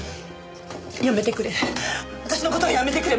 やめてくれ私の事はやめてくれ！